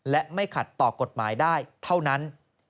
และไม่ขัดต่อกฎหมายได้เท่านั้น